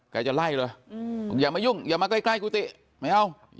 จะไล่เลยบอกอย่ามายุ่งอย่ามาใกล้กุฏิไม่เอา